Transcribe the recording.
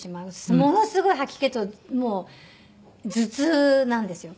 ものすごい吐き気ともう頭痛なんですよ。